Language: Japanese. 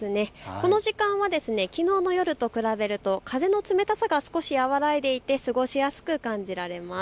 この時間はきのうの夜と比べると風の冷たさが少し和らいでいて過ごしやすく感じられます。